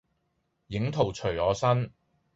影徒隨我身。